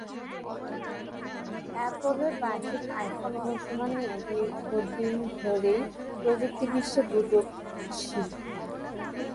অ্যাপলের বার্ষিক আইফোন ঘোষণা নিয়ে দীর্ঘদিন ধরেই প্রযুক্তি বিশ্বে গুজব ছিল।